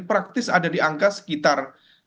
praktis ada di angka sekitar empat puluh dua empat puluh lima